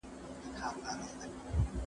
زړه مي درنیژدې کمه که لیري یې ساتل ښه دي